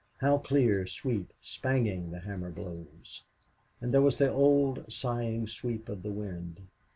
How clear, sweet, spanging the hammer blows! And there was the old sighing sweep of the wind.